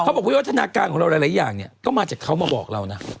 บอกวิวัฒนาการของเราหลายอย่างเนี่ยก็มาจากเขามาบอกเรานะ